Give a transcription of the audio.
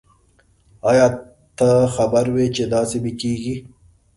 آیا ته خبر وی چې داسي به کیږی